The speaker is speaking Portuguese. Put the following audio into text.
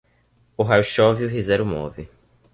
O raio chove e o riser o move.